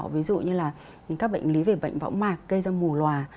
ví dụ như là các bệnh lý về bệnh võng mạc gây ra mù loà